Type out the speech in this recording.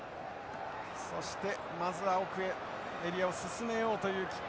そしてまずは奥へエリアを進めようというキック。